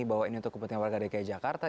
bahwa ini untuk kepentingan warga dki jakarta